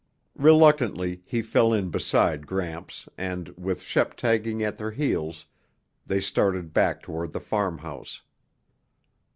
Reluctantly he fell in beside Gramps and, with Shep tagging at their heels, they started back toward the farmhouse.